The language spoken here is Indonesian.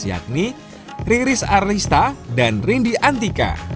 yakni riris arlista dan rindy antika